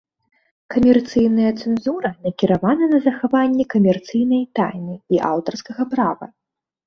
Камерцыйная цэнзура накіравана на захаванне камерцыйнай тайны і аўтарскага права.